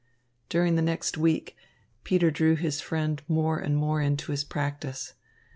During the next week, Peter drew his friend more and more into his practice.